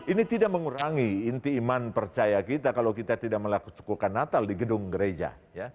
ini tidak mengurangi inti iman percaya kita kalau kita tidak melakukan sukukan natal di gedung gereja